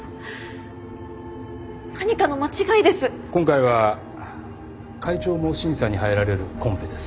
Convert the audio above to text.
今回は会長も審査に入られるコンペです。